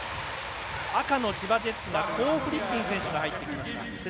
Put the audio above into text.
赤の千葉ジェッツがコーフリッピン選手が入ってきました。